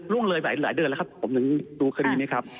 ล่วงละอย่างเลยหลายเดือนครับผมถึงดูคดีเนี่ยครับ